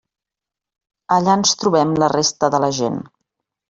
Allà ens trobem la resta de la gent.